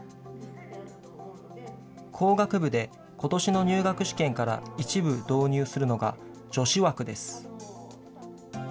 工学部でことしの入学試験から一部導入するのが、女子枠です。